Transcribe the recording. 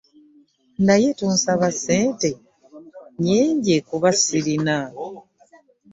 Naye tonsaba ssente nnyingi kuba ssirina.